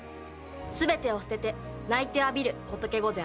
全てを捨てて泣いてわびる仏御前。